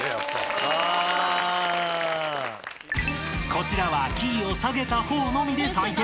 ［こちらはキーを下げた方のみで採点］